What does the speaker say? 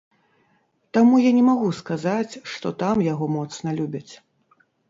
Таму я не магу сказаць, што там яго моцна любяць.